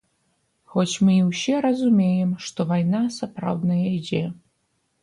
Хоць мы і ўсе разумеем, што вайна сапраўдная ідзе.